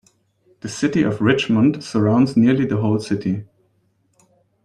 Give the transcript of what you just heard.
The city of Richmond surrounds nearly the whole city.